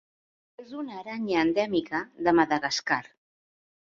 És una aranya endèmica de Madagascar.